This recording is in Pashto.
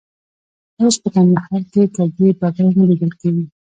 اوس په کندهار کې کږې بګړۍ نه لیدل کېږي.